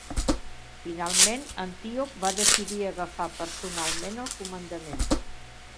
Finalment Antíoc va decidir agafar personalment el comandament.